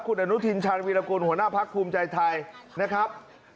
คุณอนุทินชาญวีรกุลหัวหน้าพักภูมิใจไทยนะครับ